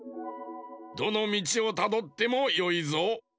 どのみちをたどってもよいぞ。